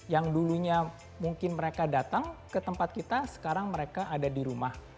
yang dulunya mungkin mereka datang ke tempat kita sekarang mereka ada di rumah